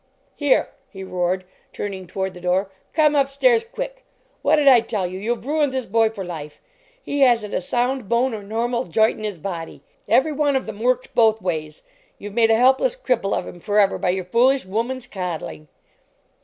"Here!" he roared, turning toward the door, "Come up stairs, quick! What d I tell you! You ve ruined this boy for life! He hasn t a sound bone or normal joint in his body ! Every one of them works both ways ! You ve made a helpless cripple of him for ever by your foolish woman s coddling